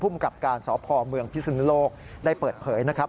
กับการสพเมืองพิศนุโลกได้เปิดเผยนะครับ